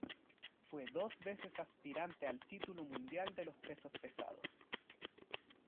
Fue dos veces aspirante al título mundial de los pesos pesados.